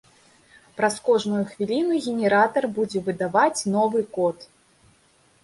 Праз кожную хвіліну генератар будзе выдаваць новы код.